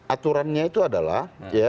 aturannya itu adalah